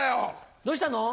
どうしたの？